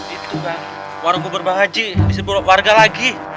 itu kan warung kubur bang haji disebut warga lagi